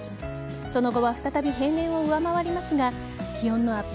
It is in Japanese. その後は再び平年を上回りますが気温のアップ